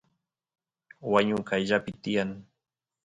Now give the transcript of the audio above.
wañu qayllapi tiyan